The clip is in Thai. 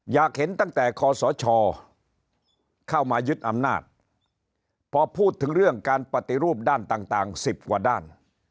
อยากเห็นตั้งแต่คศเข้ามายึดอำนาจพอพูดถึงเรื่องการปฏิรูปด้านต่าง๑๐กว่าด้าน